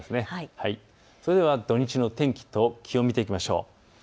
それでは土日の天気と気温を見ていきましょう。